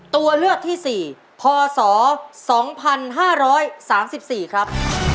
ตัวเลือกที่๔พศ๒๕๓๔ครับ